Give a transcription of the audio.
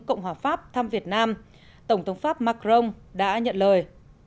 cộng hòa pháp thăm việt nam tổng thống pháp macron đã nhận lời